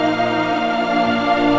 aku sayang dengan kamu